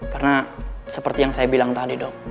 karena seperti yang saya bilang tadi dok